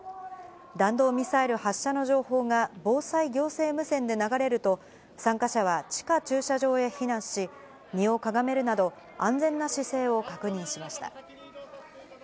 弾道ミサイル発射の情報が防災行政無線で流れると、参加者は地下駐車場へ避難し、身をかがめるなど、安全な姿勢を確認しました。